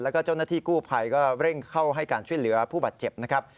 แล้วก็เจ้าหน้าที่กู้ภัยก็เร่งเข้าให้การช่วยเหลือผู้บาดเจ็บนะครับ